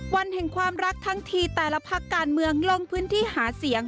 วันแห่งความรักทั้งทีแต่ละพักการเมืองลงพื้นที่หาเสียง